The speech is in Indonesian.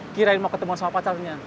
kirain mau ketemu sama pacarnya